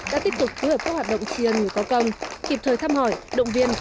đã tiếp tục phối hợp các hoạt động triền người cao công kịp thời thăm hỏi động viên